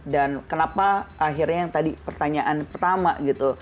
dan kenapa akhirnya yang tadi pertanyaan pertama gitu